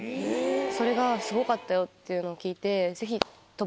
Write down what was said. それがすごかったよっていうのを聞いて。